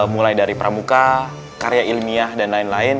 mulai dari pramuka karya ilmiah dan lain lain